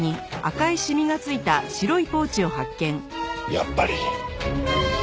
やっぱり！